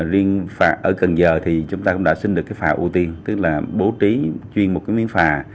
riêng ở cần giờ thì chúng ta cũng đã xin được cái phà ưu tiên tức là bố trí chuyên một cái miếng phà